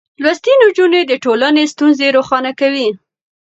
لوستې نجونې د ټولنې ستونزې روښانه کوي.